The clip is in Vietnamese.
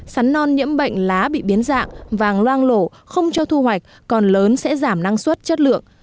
sắn non nhiễm bệnh lá bị biến dạng vàng loang lổ không cho thu hoạch còn lớn sẽ giảm năng suất chất lượng